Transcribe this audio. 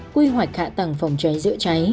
quy hoạch hạ tầng phòng cháy giữa cháy